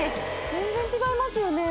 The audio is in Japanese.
全然違いますよね